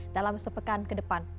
dalam sepekan ke depan